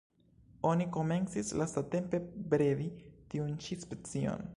Oni komencis lastatempe bredi tiun ĉi specion.